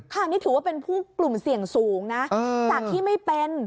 นี่ถือว่าเป็นผู้กลุ่มเสี่ยงสูงนะจากที่ไม่เป็น